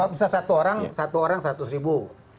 bisa satu orang seratus ribu